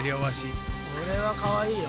これはかわいいよ。